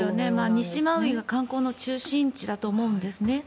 西マウイが観光の中心地だと思うんです。